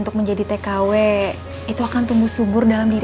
yuk adek adek ayo kita belajar